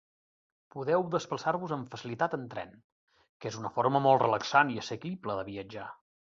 Podeu desplaçar-vos amb facilitat en tren, que és una forma molt relaxant i assequible de viatjar.